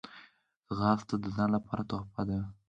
ځغاسته د ځان لپاره تحفه ده